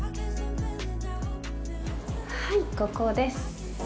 はい、ここです。